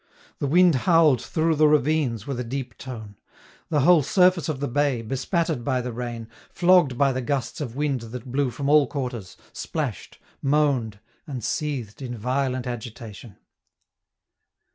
The wind howled through the ravines with a deep tone. The whole surface of the bay, bespattered by the rain, flogged by the gusts of wind that blew from all quarters, splashed, moaned, and seethed in violent agitation.